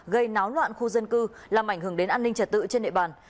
gây náo loạn khu dân cư làm ảnh hưởng đến an ninh trật tự trên địa bàn